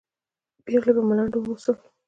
پېغلې په ملنډو وموسل.